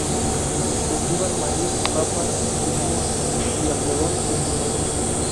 Cultivaban maíz, papa, quinua y algodón, entre otros.